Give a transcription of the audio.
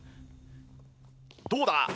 どうだ？